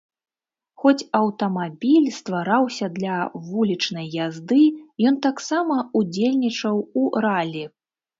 Хоць аўтамабіль ствараўся для вулічнай язды, ён таксама ўдзельнічаў у ралі.